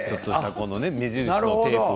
目印のテープを。